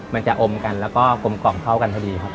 มันจะอมกันแล้วก็กลมกล่อมเข้ากันพอดีครับ